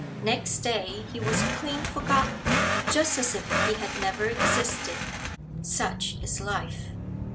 Next day he was clean forgotten; just as if he had never existed. Such is life.